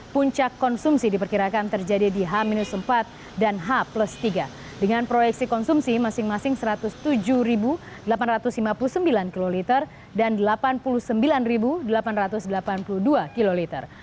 puncak konsumsi diperkirakan terjadi di h empat dan h tiga dengan proyeksi konsumsi masing masing satu ratus tujuh delapan ratus lima puluh sembilan km dan delapan puluh sembilan delapan ratus delapan puluh dua kiloliter